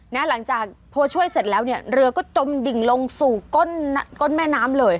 หลังจากพอช่วยเสร็จแล้วเนี่ยเรือก็จมดิ่งลงสู่ก้นแม่น้ำเลย